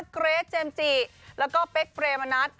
เกรทเจมส์จิแล้วก็เป๊กเปรมณัฐ